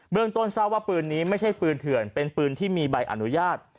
เรื่องต้นทราบว่าปืนนี้ไม่ใช่ปืนเถื่อนเป็นปืนที่มีใบอนุญาต